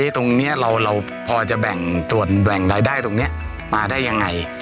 ตรงนี้เราพอจะแบ่งส่วนแบ่งรายได้ตรงนี้มาได้ยังไง